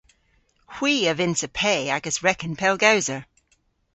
Hwi a vynnsa pe agas reken pellgowser.